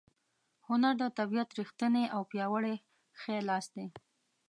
هنر د طبیعت ریښتینی او پیاوړی ښی لاس دی.